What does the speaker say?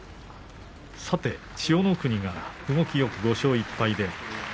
さて千代の国が動きよく５勝１敗。